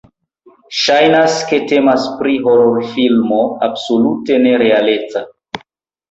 Ŝajnas, ke temas pri hororfilmo absolute ne-realeca.